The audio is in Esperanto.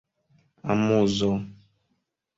amuzo